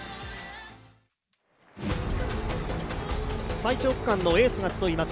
最長区間のエースが集います